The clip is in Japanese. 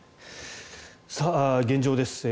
現状です。